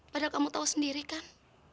padahal kamu tahu sendiri kan